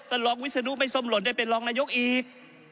รองวิศนุไม่ส้มหล่นได้เป็นรองนายกอีก